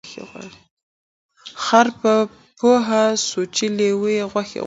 خر په پوه سوچی لېوه یې غوښي غواړي